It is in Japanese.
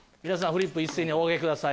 フリップ一斉にお挙げください。